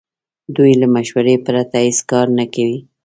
دوی له مشورې پرته هیڅ کار نه کوي.